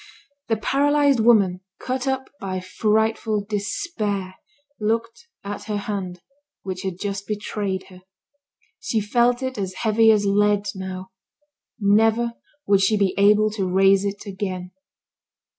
The paralysed woman, cut up by frightful despair, looked at her hand, which had just betrayed her. She felt it as heavy as lead, now; never would she be able to raise it again.